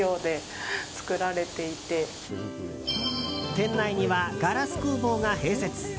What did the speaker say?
店内にはガラス工房が併設。